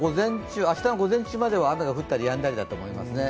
明日の午前中までは雨が降ったりやんだりだと思いますね。